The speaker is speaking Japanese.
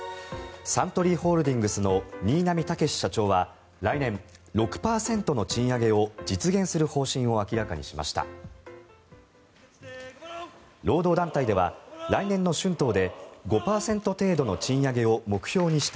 サントリーホールディングスの新浪剛史社長は来年、６％の賃上げを実現する方針を明らかにしました。